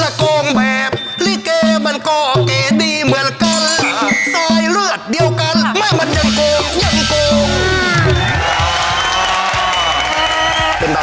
และกงแบบรีเก้มันก็เก๋ดีเหมือนกัน